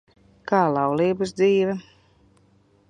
Kā laulības dzīve?